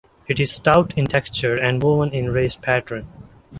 It is stout in texture, and woven in raised patterns.